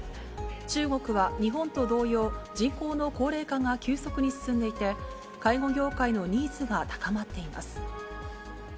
中国は日本と同様、人口の高齢化が急速に進んでいて、介護業界のニーズが高まっています。